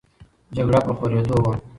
جګړه په خورېدو وه.